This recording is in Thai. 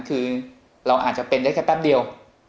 คือเราอาจจะเป็นได้แค่แป๊บเดียว